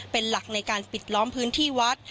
เป็นหลักในการปิดล้อมพื้นที่วัด